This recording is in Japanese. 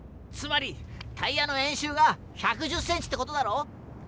つまりタイヤの円周が１１０ｃｍって事だろう！